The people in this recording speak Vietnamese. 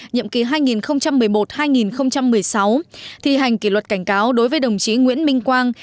nhiệm kỳ hai nghìn một mươi một hai nghìn một mươi sáu thi hành kỷ luật cảnh cáo đối với đồng chí nguyễn minh quang